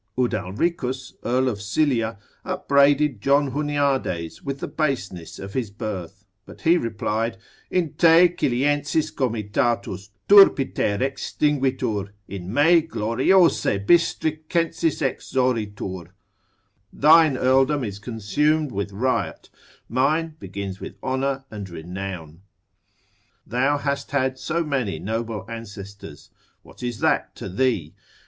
Udalricus, Earl of Cilia, upbraided John Huniades with the baseness of his birth, but he replied, in te Ciliensis comitatus turpiter extinguitur, in me gloriose Bistricensis exoritur, thine earldom is consumed with riot, mine begins with honour and renown. Thou hast had so many noble ancestors; what is that to thee?